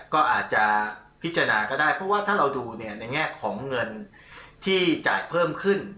ก็อาจจะพิจารณาก็ได้เพราะว่าถ้าเราดูเนี่ยในแง่ของเงินที่จ่ายเพิ่มขึ้น